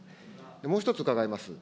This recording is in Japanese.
もう一つ伺います。